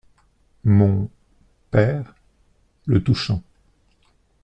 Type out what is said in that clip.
Mon… père… — Le touchant .